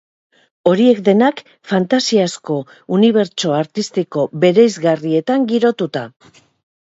Horiek denak fantasiazko unibertso artistiko bereizgarrietan girotuta.